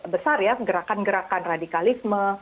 besar ya gerakan gerakan radikalisme